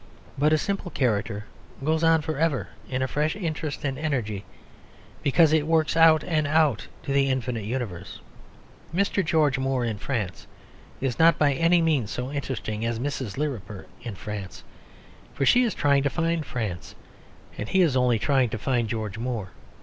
But a simple character goes on for ever in a fresh interest and energy, because it works out and out into the infinite universe. Mr. George Moore in France is not by any means so interesting as Mrs. Lirriper in France; for she is trying to find France and he is only trying to find George Moore.